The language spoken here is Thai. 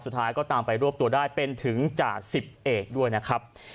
สุดท้ายก็ตามไปรวบตัวได้เป็นถึงจ่าสิบเอกด้วยนะครับ